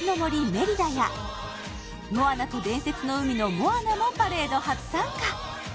メリダや「モアナと伝説の海」のモアナもパレード初参加